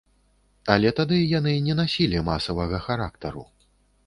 Але тады яны не насілі масавага характару.